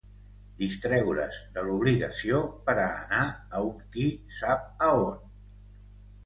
Distreure-s de l'obligació pera anar a un qui sap a on